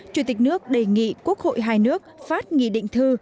chủ tịch nước đề nghị quốc hội hai nước phát nghị định thư